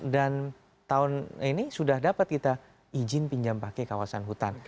dan tahun ini sudah dapat kita izin pinjam pakai kawasan hutan